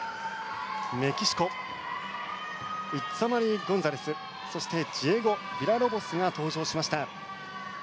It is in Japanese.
メキシコイッツァマリー・ゴンザレスそしてジエゴ・ビラロボスが登場しました。